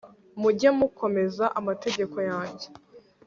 mujye mukomeza amategeko yanjye